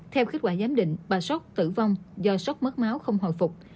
theo kết quả giám định bà sốc tử vong do sốc mất máu không hồi phục